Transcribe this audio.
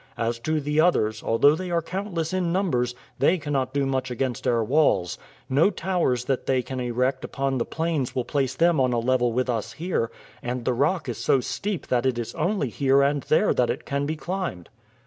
As to the others, although they are countless in numbers, they cannot do much against our walls. No towers that they can erect upon the plains will place them on a level with us here, and the rock is so steep that it is only here and there that it can be climbed."